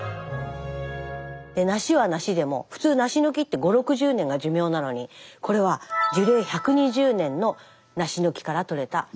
梨は梨でも普通梨の木って５０６０年が寿命なのにこれは樹齢１２０年の梨の木からとれた「長寿梨」。